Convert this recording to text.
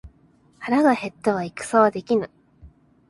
腹が減っては戦はできぬ。